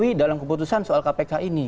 jadi ini adalah keputusan soal kpk ini